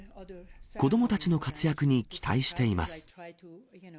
子どもたちの活躍に期待しています。